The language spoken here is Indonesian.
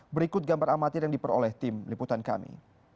berikut gambar amatir yang diperoleh tim liputan kami